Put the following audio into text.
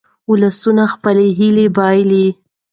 ولسونه خپلې هیلې بایلي.